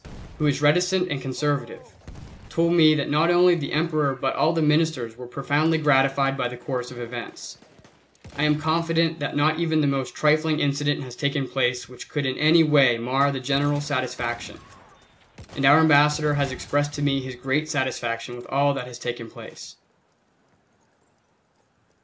who is reticent and conservative, told me that not only the Emperor but all the Ministers were profoundly gratified by the course of events. I am confident that not even the most trifling incident has taken place which could in any way mar the general satisfaction, and our Ambassador has expressed to me his great satisfaction with all that has taken place.